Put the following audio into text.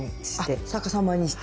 あっ逆さまにして。